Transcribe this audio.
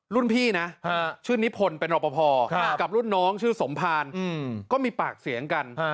รุ่นพี่นะชื่อนิพนธ์เป็นรอปภกับรุ่นน้องชื่อสมภารก็มีปากเสียงกัน